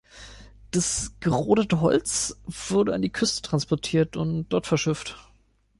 Das gerodete Holz wurde an die Küste transportiert und dort verschifft.